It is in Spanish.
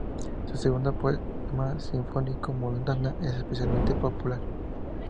Su segundo poema sinfónico, "Moldava", es especialmente popular.